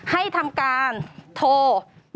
ให้ทำการโทร๑๖๖๙